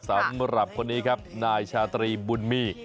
สำหรับคนนี้ครับนายชาตรีบุญมี